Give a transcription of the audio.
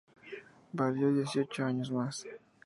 Vivió dieciocho años más.